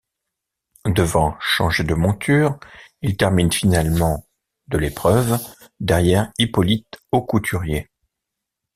Devant changer de monture, il termine finalement de l'épreuve, derrière Hippolyte Aucouturier.